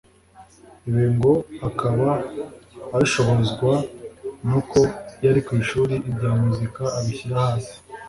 Ibi ngo akaba abishobozwa n’uko iyo ari ku ishuli ibya muzika abishyira hasi